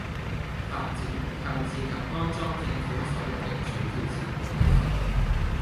發展、購置及安裝政府所用的主要設備系統